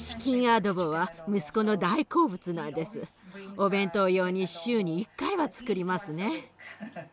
お弁当用に週に１回はつくりますね。